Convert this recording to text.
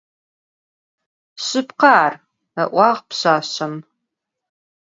Şsıpkhe ar ,— ı'uağ pşsaşsem.